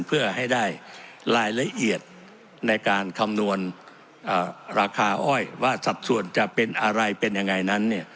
เพื่อให้ได้รายละเอียดในการคำนวณราคาอ้อยว่าสัดส่วนจะเป็นอะไรเป็นยังไงนั้น